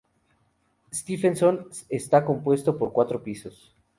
Stephenson está compuesto por cuatro pisos.